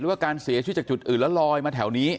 ว่าการเสียชีวิตจากจุดอื่นแล้วลอยมาแถวนี้